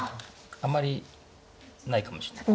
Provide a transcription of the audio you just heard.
あんまりないかもしれない。